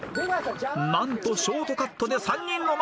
［何とショートカットで３人の前へ！］